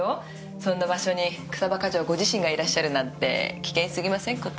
そんな場所に草葉課長ご自身がいらっしゃるなんて危険すぎませんこと？